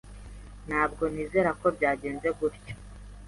Ntabwo nizera ko byagenze gutya.